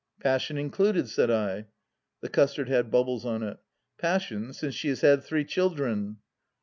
" Passion included !" said I. The custard had bubbles on it !" Passion, since she has had three children."